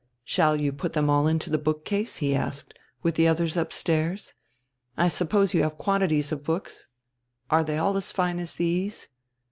"Shall you put them all into the bookcase?" he asked. "With the others upstairs? I suppose you have quantities of books? Are they all as fine as these?